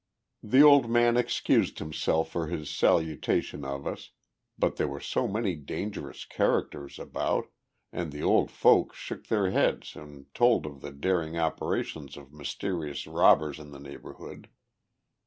The old man excused himself for his salutation of us but there were so many dangerous characters about, and the old folk shook their heads and told of the daring operations of mysterious robbers in the neighbourhood.